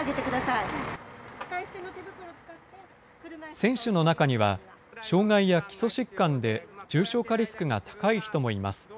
選手の中には、障害や基礎疾患で重症化リスクが高い人もいます。